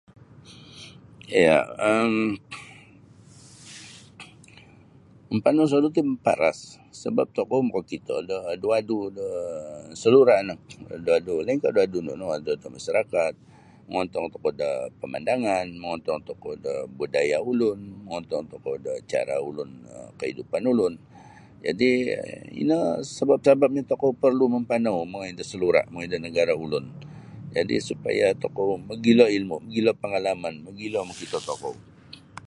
Ya um mampanau dosodu' ti maparas sabap tokou makakito da adu-adu do salura' no adu-adu lainkah duadu nunu adu-adu masarakat mongontong tokou da pamandangan mongontong tokou da budaya ulun mongontong tokou da cara ulun um kaidupan ulun jadi' ino sabap-sabapnyo tokou porlu mampanau mongoi da salura' mongoi da nagara' ulun jadi' supaya tokou mogilo ilmu' mogilo pangalaman mogilo mokito tokou.